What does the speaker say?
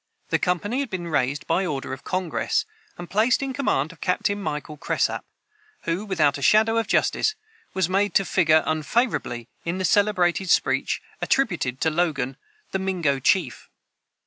The company had been raised by order of Congress, and placed in command of Captain Michael Cresap, who, without a shadow of justice, was made to figure unfavorably in the celebrated speech attributed to Logan, the Mingo chief.